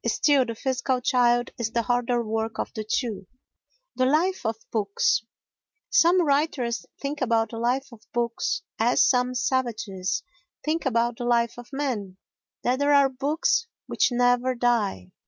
Still, the physical child is the harder work of the two. The Life of Books Some writers think about the life of books as some savages think about the life of men—that there are books which never die.